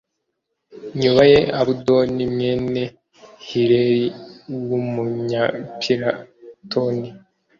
nyuma ye abudoni mwene hileli w umunyapiratoni